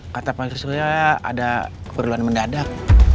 kata pak surya ada keperluan mendadak